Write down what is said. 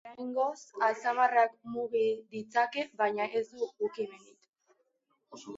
Oraingoz, atzamarrak mugi ditzake, baina ez du ukimenik.